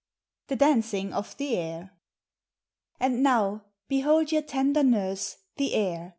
THE DANCING OF Tin: UR. Ax„ now behold your tender nurse, the air, A.